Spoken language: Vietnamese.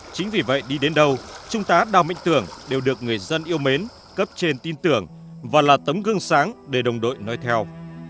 chính vì vậy đi đến đâu trung tá đào minh tưởng đều được người dân yêu mến cấp trên tin tưởng và là tấm gương sáng để đồng đội nói theo